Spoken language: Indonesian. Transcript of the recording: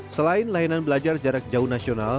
selain layanan belajar jarak jauh nasional